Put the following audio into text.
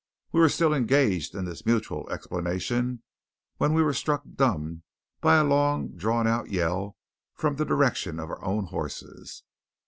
We were still engaged in this mutual explanation when we were struck dumb by a long drawn out yell from the direction of our own horses.